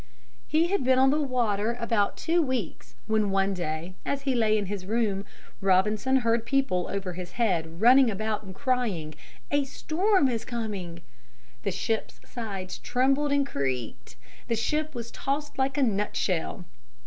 He had been on the water about two weeks when one day as he lay in his room, Robinson heard people over his head running about and crying, "A storm is coming!" The ship's sides trembled and creaked. The ship was tossed like a nutshell.